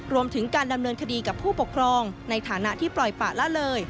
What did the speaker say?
รวมถึงการดำเนินคดีกับผู้ปกครองในฐานะที่ปล่อยปะละเลย